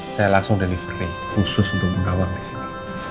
saya langsung delivery khusus untuk bu nawang disini